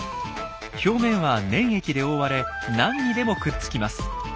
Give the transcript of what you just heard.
表面は粘液で覆われ何にでもくっつきます。